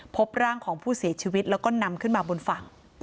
พบร่างของผู้เสียชีวิตแล้วก็นำขึ้นมาบนฝั่ง